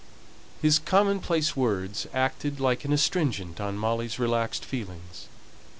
His commonplace words acted like an astringent on Molly's relaxed feelings.